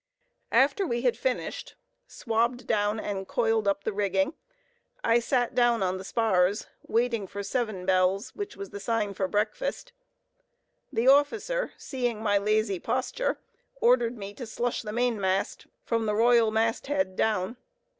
After we had finished, swabbed down, and coiled up the rigging, I sat down on the spars, waiting for seven bells, which was the sign for breakfast. The officer, seeing my lazy posture, ordered me to slush the main mast, from the royal mast head down.